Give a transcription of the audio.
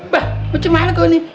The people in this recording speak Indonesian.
bah apa yang mana gue nih